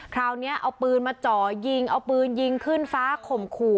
คราวนี้เอาปืนมาจ่อยิงเอาปืนยิงขึ้นฟ้าข่มขู่